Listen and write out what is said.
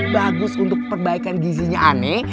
bagus untuk perbaikan gizinya aneh